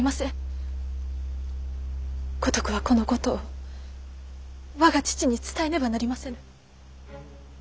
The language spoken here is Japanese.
五徳はこのことを我が父に伝えねばなりませぬ。